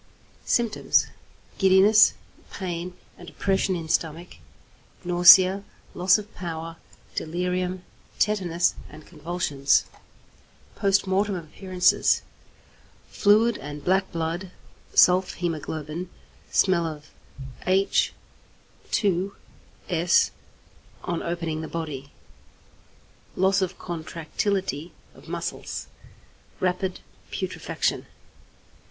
Symptoms. Giddiness, pain and oppression in stomach, nausea, loss of power; delirium, tetanus, and convulsions. Post Mortem Appearances. Fluid and black blood (sulph hæmoglobin), smell of H_S on opening the body; loss of contractility of muscles, rapid putrefaction.